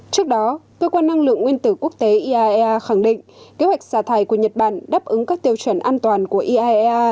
trước đó cơ quan năng lượng nguyên tử quốc tế iaea khẳng định kế hoạch xả thải của nhật bản đáp ứng các tiêu chuẩn an toàn của iaea